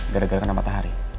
gara gara kenapa tak hari